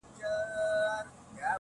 ته پوهیږې د ابا سیوری دي څه سو؟!!!